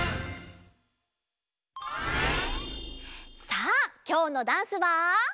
さあきょうのダンスは。